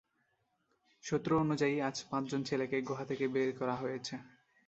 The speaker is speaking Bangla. সূত্র অনুযায়ী আজ পাঁচজন ছেলেকে গুহা থেকে বের করা হয়েছে।